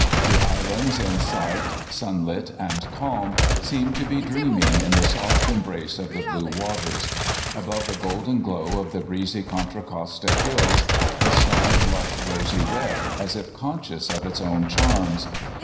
The islands in sight, sunlit and calm, seemed to be dreaming in the soft embrace of the blue waters. Above the golden glow of the breez}^ Contra Costa hills the sk}^ blushed rosy red, as if conscious of its own charms.